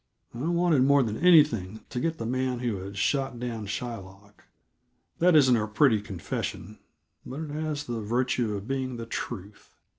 I wanted, more than anything, to get the man who had shot down Shylock. That isn't a pretty confession, but it has the virtue of being the truth.